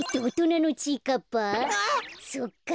そっか。